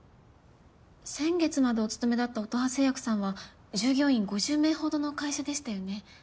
先月までお勤めだった乙葉製薬さんは従業員５０名ほどの会社でしたよね。